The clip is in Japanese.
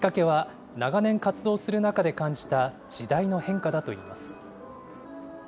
きっかけは長年活動する中で感じた時代の変化だといいます。